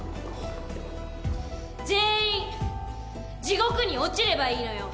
全員地獄に落ちればいいのよ！